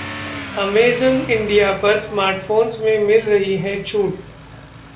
Amazon India पर smartphones में मिल रही है छूट